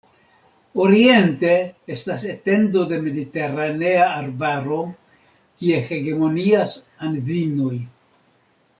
Oriente estas etendo de mediteranea arbaro, kie hegemonias anzinoj.